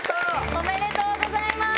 おめでとうございます。